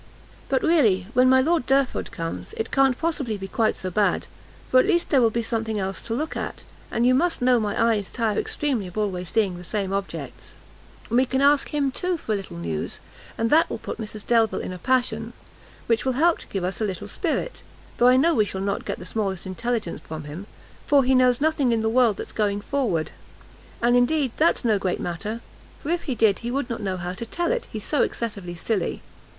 "But really, when my Lord Derford comes, it can't possibly be quite so bad, for at least there will be something else to look at; and you must know my eyes tire extremely of always seeing the same objects. And we can ask him, too, for a little news, and that will put Mrs Delvile in a passion, which will help to give us a little spirit; though I know we shall not get the smallest intelligence from him, for he knows nothing in the world that's going forward. And, indeed, that's no great matter, for if he did, he would not know how to tell it, he's so excessively silly.